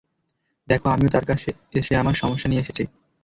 দেখো আমিও তার কাছে আমার সমস্যা নিয়ে এসেছি।